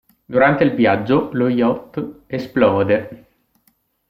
Durante il viaggio, lo yacht esplode.